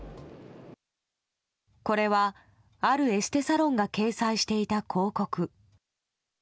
これは、あるエステサロンが掲載していた広告。